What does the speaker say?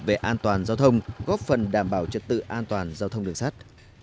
về an toàn giao thông góp phần đảm bảo trật tự an toàn giao thông đường sắt